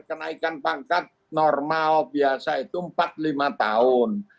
kenaikan pangkat normal biasa itu empat lima tahun